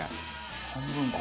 半分か。